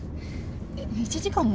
１時間も？